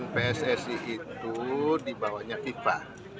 pssi itu dibawahnya fifa